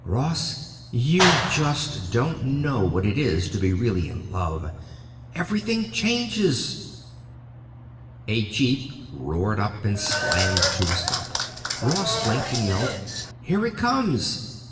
Ross, you just don't know what it is to really be in love. Everything changes." A jeep roared up and slammed to a stop; Ross blinked and yelled: "Here it comes!"